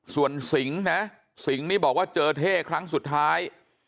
ส่วนสิงห์นะสิงห์นี่บอกว่าเจอเท่ครั้งสุดท้าย